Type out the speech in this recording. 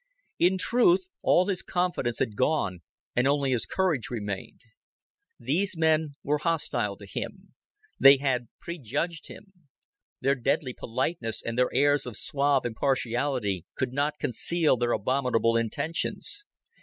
In truth, all his confidence had gone, and only his courage remained. These men were hostile to him; they had prejudged him; their deadly politeness and their airs of suave impartiality could not conceal their abominable intentions.